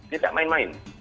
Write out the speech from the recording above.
jadi tak main main